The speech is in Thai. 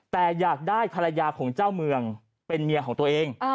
แต่อยากได้ภรรยาของเจ้าเมืองเป็นเมียของตัวเอง